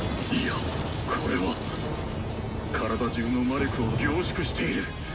いやこれは体じゅうの魔力を凝縮している！